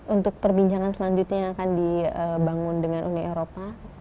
untuk perbincangan selanjutnya yang akan dibangun dengan uni eropa